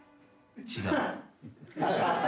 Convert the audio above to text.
違う？